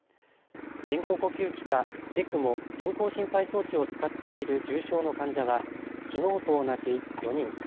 人工呼吸器かＥＣＭＯ・人工心肺装置を使っている重症の患者はきのうと同じ４人。